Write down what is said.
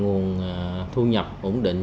nguồn thu nhập ổn định